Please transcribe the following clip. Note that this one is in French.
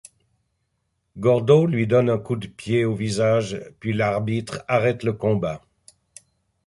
Gordeau lui donne un coup de pied au visage puis l'arbitre arrête le combat.